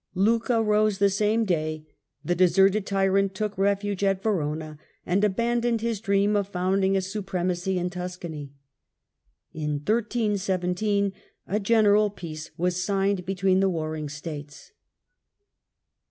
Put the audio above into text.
Lucca rose the same day ; the deserted tyrant took refuge at Verona and abandoned his dream of founding a supremacy in Tuscany. In 1317 a general peace was signed between the warring States.